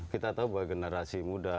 kita tahu bahwa generasi muda